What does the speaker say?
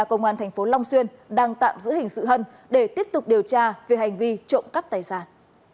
điều tra công an thành phố long xuyên đang tạm giữ hình sự hân để tiếp tục điều tra về hành vi trộm các tài sản